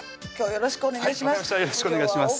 よろしくお願いします